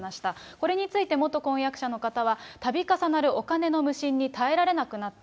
これについて、元婚約者の方はたび重なるお金の無心に耐えられなくなった。